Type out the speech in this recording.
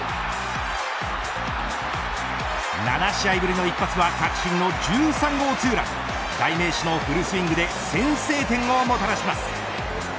７試合ぶりの一発は確信の１３号ツーラン代名詞のフルスイングで先制点をもたらします。